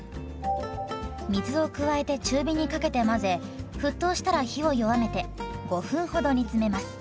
水を加えて中火にかけて混ぜ沸騰したら火を弱めて５分ほど煮詰めます。